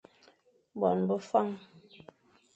Bon be Fañ.